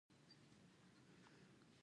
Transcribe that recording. شېخ ملي يو پوه او مستانه سړی وو.